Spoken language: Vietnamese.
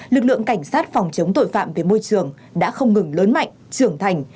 lực lượng cảnh sát phòng chống tội phạm về môi trường đã không ngừng lớn mạnh trưởng thành